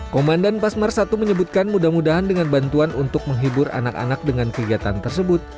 komandan pasmar i menyebutkan mudah mudahan dengan bantuan untuk menghibur anak anak dengan kegiatan tersebut